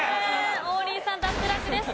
王林さん脱落です。